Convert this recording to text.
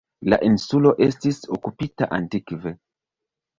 La insulo estis okupita antikve.